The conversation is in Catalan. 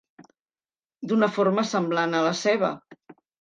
D'una forma semblant a la ceba.